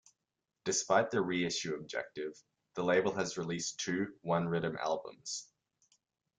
Despite the reissue objective, the label has released two one-riddim albums.